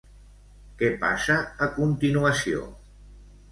Què passa a continuació?